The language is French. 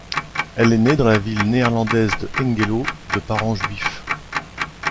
Elle est née dans la ville néerlandaise de Hengelo de parents juifs.